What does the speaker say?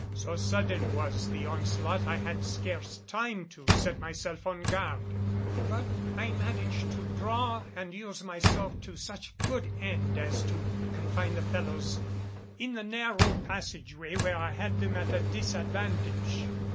So sudden was the onslaught I had scarce time to set myself on guard. But I managed to draw and use my sword to such good end as to confine the fellows in the narrow passageway, where I had them at a disadvantage.